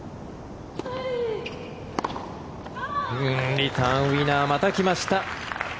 リターンウィナーまた来ました。